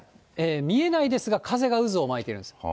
見えないですが、風が渦を巻いてるんです。